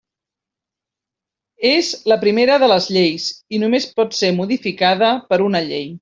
És la primera de les lleis, i només pot ser modificada per una llei.